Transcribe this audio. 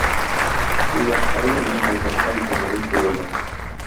Шул вакытта инде моның Алпамша икәнлеген күрәләр.